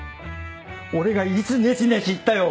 俺がいつネチネチ言ったよ？